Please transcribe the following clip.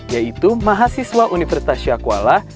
yaitu mahasiswa universitas syakuala